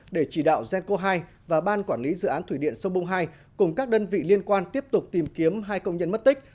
để chỉ đạo genco hai và ban quản lý dự án thủy điện sông bung hai cùng các đơn vị liên quan tiếp tục tìm kiếm hai công nhân mất tích